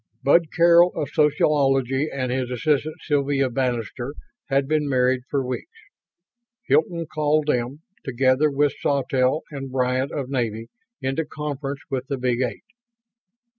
Bud Carroll of Sociology and his assistant Sylvia Banister had been married for weeks. Hilton called them, together with Sawtelle and Bryant of Navy, into conference with the Big Eight.